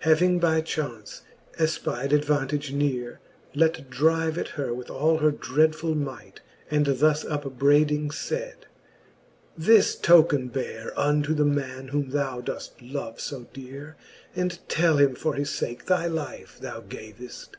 Having by chaunce efpide 'advantage neare, Let drive at her with all her dreadfuU might, And thus upbraiding iaid ; This token beare Unto the man, whom thou doeft love fo deare j And tell him for his fake thy life thou gaveft.